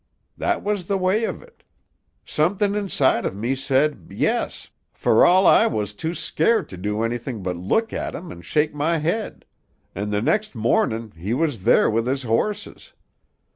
That was the way of it. Somethin' inside of me said, 'Yes,' fer all I was too scairt to do anything but look at him an' shake my head. An' the next mornin' he was there with his horses.